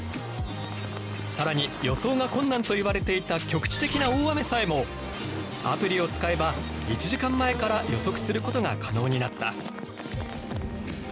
更に予想が困難といわれていた局地的な大雨さえもアプリを使えば１時間前から予測することが可能になった。